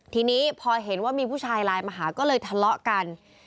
ทีนี้พอเห็นว่ามีผู้ชายไลน์มาหาก็เลยทะเลาะกัน